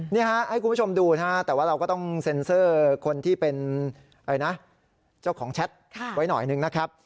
นี่ฮะให้คุณผู้ชมดูนะฮะแต่ว่าเราก็ต้องเซ็นเซอร์คนที่เป็นเจ้าของแชทไว้หน่อยนึงนะครับ